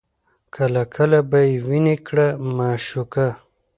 کله کله به یې ویني کړه مشوکه